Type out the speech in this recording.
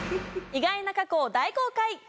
意外な過去を大公開！